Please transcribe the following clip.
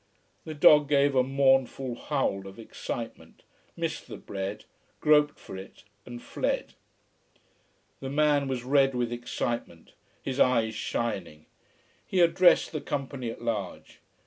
The dog gave a mournful howl of excitement, missed the bread, groped for it, and fled. The man was red with excitement, his eyes shining. He addressed the company at large.